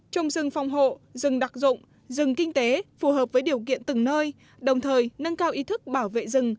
trồng rừng phòng hộ rừng đặc dụng rừng kinh tế phù hợp với điều kiện từng nơi đồng thời nâng cao ý thức bảo vệ rừng